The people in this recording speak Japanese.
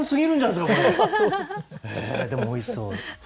でもおいしそう。